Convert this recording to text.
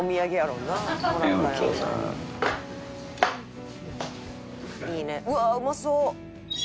うわあうまそう！」